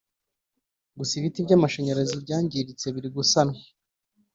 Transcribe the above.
gusa ibiti by’amashanyarazi byangiritse birigusanwa